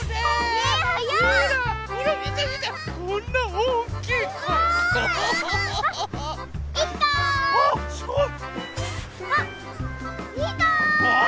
えすごい！